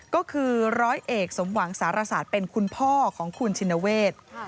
ก็คือร้อยเอกสมหวังสารศาสตร์เป็นคุณพ่อของคุณชินเวท